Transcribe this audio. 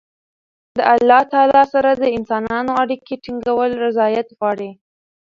د الله تعالی سره د انسانانو اړیکي ټینګول رياضت غواړي.